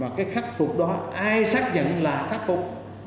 và cái khắc phục đó ai xác nhận là khắc phục